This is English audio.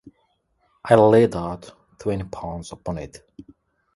I laid out twenty pounds upon it.